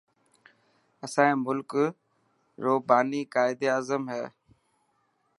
اسائي ملڪ روٻاني قائد اعظم هي.